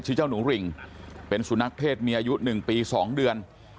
ชื่อเจ้านุริ่งเป็นสู่นักเพศมีอายุ๑ปี๒เดือน